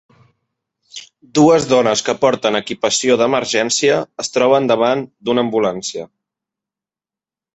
Dues dones que porten equipació d'emergència es troben davant d'una ambulància.